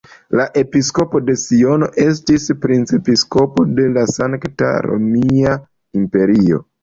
La episkopo de Siono estis princepiskopo de la Sankta Romia Imperio.